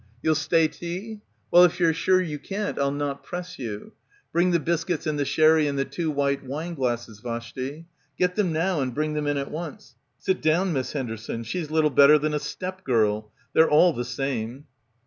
"You'll stay tea? Well, if you're sure — 190 — BACKWATER you can't I'll not press you. Bring the biscuits and the sherry and two white wine glasses, Vashti. Get them now and bring them in at once. Sit down, Miss Henderson. She's little better than a step girl. They're all the same."